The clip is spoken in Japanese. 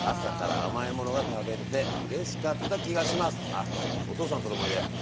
あお父さんとの思い出。